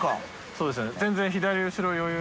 そうですね。